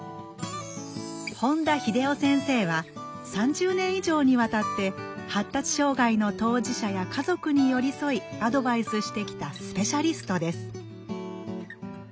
本田秀夫先生は３０年以上にわたって発達障害の当事者や家族に寄り添いアドバイスしてきたスペシャリストです